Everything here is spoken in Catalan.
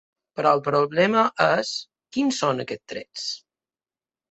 Però el problema és: quins són aquests trets?